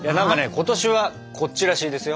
今年はこっちらしいですよ。